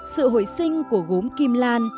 sự hồi sinh của gốm kim lan